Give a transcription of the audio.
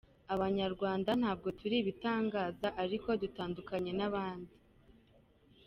Abanyarwanda ntabwo turi ibitangaza ariko dutandukanye n’abandi.